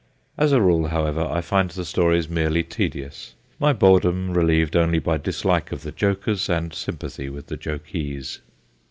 As a rule, however, I find the stories merely tedious, my boredom relieved only by dislike of the jokers and sympathy with the jokees.